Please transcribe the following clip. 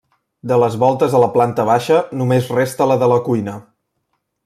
De les voltes a la planta baixa només resta la de la cuina.